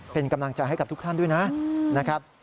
เป็นกำลังจางให้กับทุกคนด้วยนะฮะ